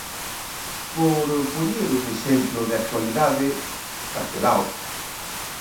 Por poñer un exemplo de actualidade: Castelao.